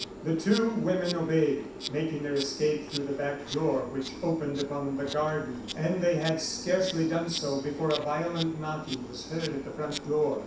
The two women obeyed, making their escape through the back door, which opened upon the garden; and they had scarcely done so, before a violent knocking was heard at the front door.